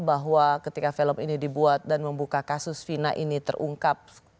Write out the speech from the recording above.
bahwa ketika film ini dibuat dan membuka kasus vina ini terungkap